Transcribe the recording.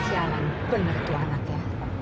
sialan bener itu anaknya